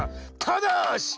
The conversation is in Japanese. ただし！